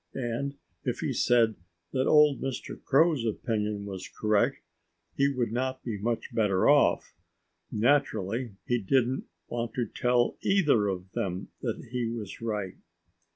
And if he said that old Mr. Crow's opinion was correct he would not be much better off. Naturally he didn't want to tell either of them that he was right.